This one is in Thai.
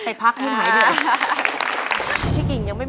สวัสดีครับ